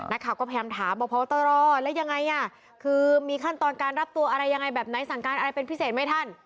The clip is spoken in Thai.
นักข่าวก็พยายามถามบอกพบตรแล้วยังไงคือมีขั้นตอนการรับตัวอะไรยังไงแบบไหนสั่งการอะไรเป็นพิเศษไหมท่าน